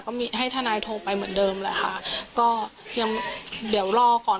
ให้ทนายโทรไปเหมือนเดิมแหละค่ะก็ยังเดี๋ยวรอก่อน